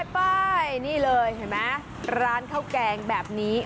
ไปนี่เลยเห็นไหมร้านข้าวแกงแบบนี้